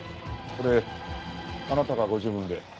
これあなたがご自分で？